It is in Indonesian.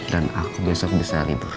dan aku besok bisa libur